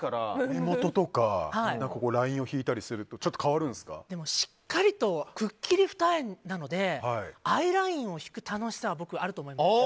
目元とかにラインを引いたりするとしっかりとくっきり二重なのでアイラインを引く楽しさはあると思いますよ。